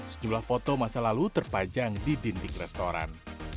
sejumlah foto masa lalu terpajang di dinding restoran